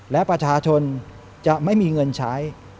และประชาชนจะไม่มีเงินใช้